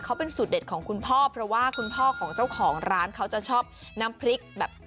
เขาเป็นสูตรเด็ดของคุณพ่อเพราะว่าคุณพ่อของเจ้าของร้านเขาจะชอบน้ำพริกแบบ